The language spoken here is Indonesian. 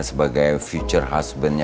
sebagai future husband